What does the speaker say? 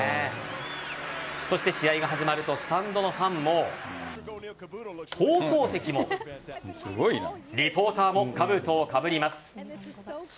そして試合が始まるとスタンドのファンも放送席もリポーターもかぶとをかぶります。